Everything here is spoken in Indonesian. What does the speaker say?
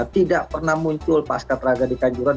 tidak pernah muncul pasca teragadi kanjuruan